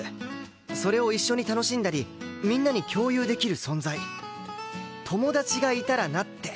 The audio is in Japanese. それを一緒に楽しんだりみんなに共有できる存在友達がいたらなって。